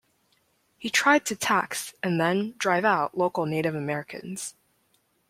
He tried to tax, and then, drive out, local Native Americans.